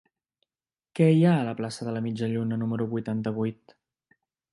Què hi ha a la plaça de la Mitja Lluna número vuitanta-vuit?